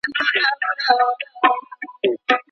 ولي لېواله انسان د پوه سړي په پرتله موخي ترلاسه کوي؟